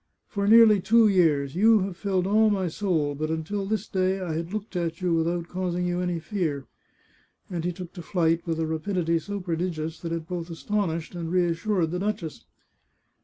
For nearly two years you have filled all my soul, but until this day I had looked at you without causing you any fear," and he took to flight with a rapidity so prodigious that it both astonished and reassured the duchess.